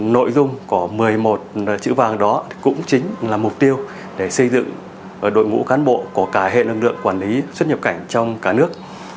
nội dung của một mươi một chữ vàng đó cũng chính là mục tiêu để xây dựng đội ngũ cán bộ của cả hệ lực lượng quản lý xuất nhập cảnh trong cả nước